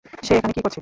সে এখানে কী করছে?